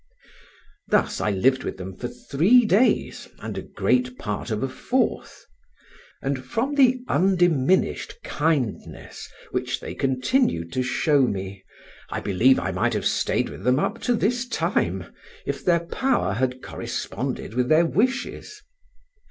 Thus I lived with them for three days and great part of a fourth; and, from the undiminished kindness which they continued to show me, I believe I might have stayed with them up to this time, if their power had corresponded with their wishes.